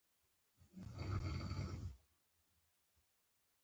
دا د پانګوالي سیسټم د پیدایښت یو اصلي لامل وو